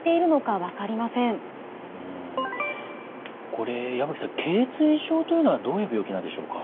これ矢吹さんけい椎症というのはどういう病気なんでしょうか。